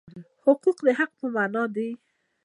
حقوق د حق په مانا دي.